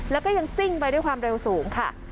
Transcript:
แล้วก็ยังซิ่งไปด้วยความเร็วสูงค่ะ